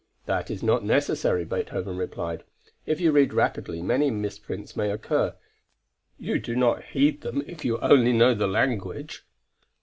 "That is not necessary," Beethoven replied. "If you read rapidly, many misprints may occur; you do not heed them, if you only know the language."